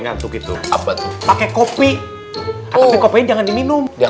ngantuk itu apa pakai kopi kopi jangan diminum